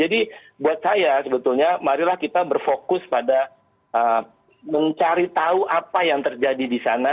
jadi buat saya sebetulnya marilah kita berfokus pada mencari tahu apa yang terjadi di sana